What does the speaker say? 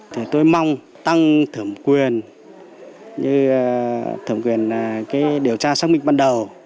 thì tôi mong tăng thẩm quyền như thẩm quyền cái điều tra xác minh ban đầu